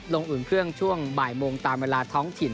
อุ่นเครื่องช่วงบ่ายโมงตามเวลาท้องถิ่น